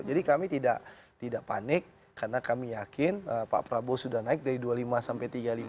jadi kami tidak panik karena kami yakin pak prabowo sudah naik dari dua puluh lima sampai tiga puluh lima